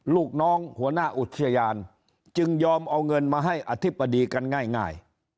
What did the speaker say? ลูกน้องหัวหน้าอุทยานจึงยอมเอาเงินมาให้อธิบดีกันง่าย